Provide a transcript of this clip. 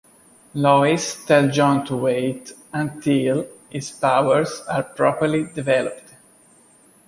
Lois tells Jon to wait until his powers are properly developed.